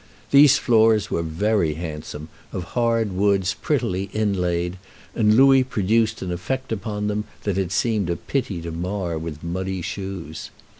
These floors were very handsome, of hard woods prettily inlaid; and Louis produced an effect upon them that it seemed a pity to mar with muddy shoes.